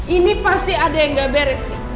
ini pasti ada yang gak beres nih